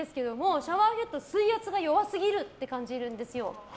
シャワーヘッドの水圧が弱すぎるって感じるんですよ。